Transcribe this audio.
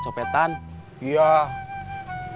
seperti gede buat lo